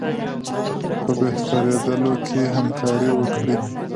په بهترېدلو کې همکاري وکړي.